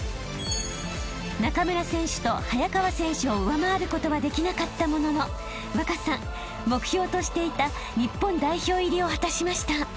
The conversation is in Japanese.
［中村選手と早川選手を上回ることはできなかったものの稚さん目標としていた日本代表入りを果たしました］